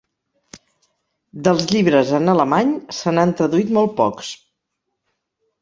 Dels llibres en alemany se n'han traduït molt pocs.